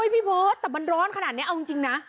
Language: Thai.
พี่เบิร์ตแต่มันร้อนขนาดนี้เอาจริงนะ